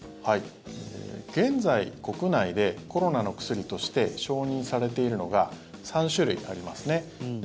現在、国内でコロナの薬として承認されているのが３種類ありますね。